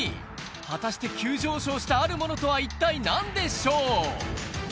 果たして急上昇したあるものとは一体何でしょう？